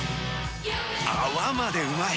泡までうまい！